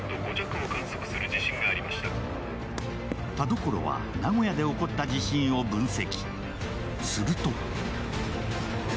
田所は名古屋で起こった地震を分析。